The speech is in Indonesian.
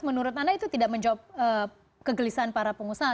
menurut anda itu tidak menjawab kegelisahan para pengusaha